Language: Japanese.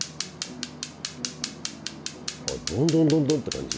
ドンドンドンドンって感じ？